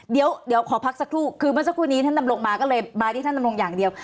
เดี๋ยวขอพักสักครู่คือเมื่อสักครู่นี้ท่านดำรงมาก็เลยมาที่ท่านดำรงอย่างเดียว